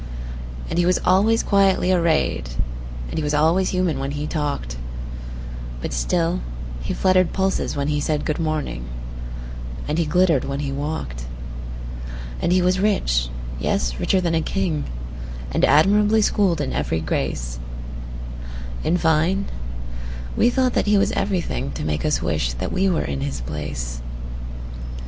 And he was always quietly arrayed, And he was always human when he talked; But still he fluttered pulses when he said,"Good morning," and he glittered when he walked. And he was rich,—yes, richer than a king,—And admirably schooled in every grace:In fine, we thought that he was everythingTo make us wish that we were in his place.